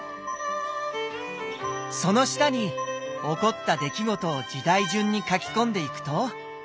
その下に起こった出来事を時代順に書き込んでいくと。